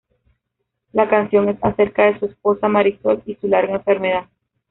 La canción es acerca de su esposa Marisol y su larga enfermedad.